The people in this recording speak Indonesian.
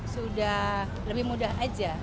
sudah lebih mudah aja